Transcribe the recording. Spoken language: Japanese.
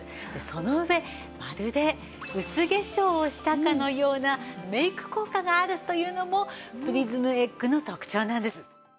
その上まるで薄化粧をしたかのようなメイク効果があるというのもプリズムエッグの特長なんです。